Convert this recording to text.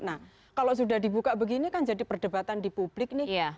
nah kalau sudah dibuka begini kan jadi perdebatan di publik nih